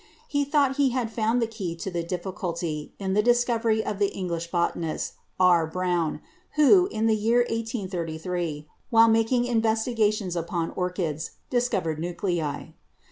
He thought he had found the key to the difficulty in the discovery of the English botanist, R. Brown, who, in the year 1833, while making investigations upon orchids, discovered nuclei.